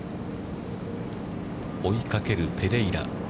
追いかけるペレイラ。